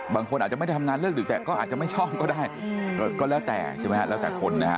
บางคนอาจจะไม่ได้ทำงานเลิกดึกแต่ก็อาจจะไม่ชอบก็ได้ก็แล้วแต่ใช่ไหมฮะแล้วแต่คนนะฮะ